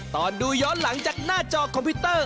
ตอนดูย้อนหลังจากหน้าจอคอมพิวเตอร์